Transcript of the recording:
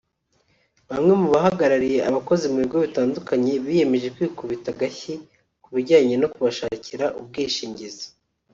Bamwe mu bahagarariye abakozi mu bigo bitandukanye biyemeje kwikubita agashyi ku bijyanye no kubashakira ubwishingizi